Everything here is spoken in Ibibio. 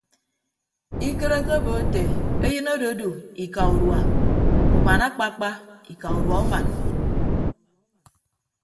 Ikịt ekebo ete eyịn ododu ika udua uman akpakpa ika udua uman.